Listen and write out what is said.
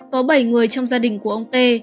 có bảy người trong gia đình của ông tê